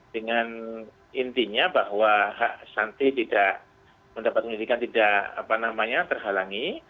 dengan intinya bahwa hak santri tidak mendapat pendidikan tidak terhalangi